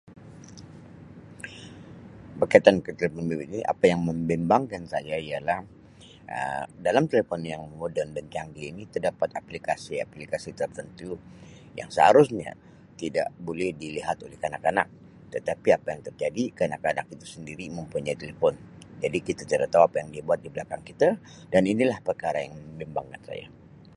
Berkaitan telefon bimbit ni apa yang membimbangkan saya ialah Um dalam telefon yang moden dan canggih ini terdapat aplikasi-aplikasi tertentu yang seharusnya tidak buli dilihat oleh kanak-kanak tetapi apa yang terjadi kanak-kanak itu sendiri mempunyai telefon jadi kita tidak tau apa yang dia buat di belakang kita dan ini lah perkara yang membimbangkan saya.